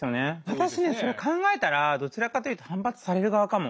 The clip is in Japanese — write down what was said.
私ねそれ考えたらどちらかというと反発される側かも。